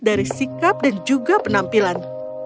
dari sikap dan juga penampilan